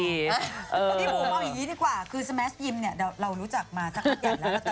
คุณพี่บุ๋มมองอย่างนี้ดีกว่าคือสแมสยิมเนี่ยเรารู้จักมาสักอย่างแล้ว